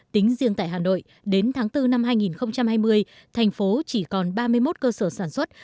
tính riêng tại hà nội đến tháng bốn năm hai nghìn hai mươi thành phố chỉ còn ba mươi một cơ sở sản xuất